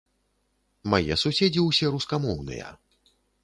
Мае суседзі ўсе рускамоўныя.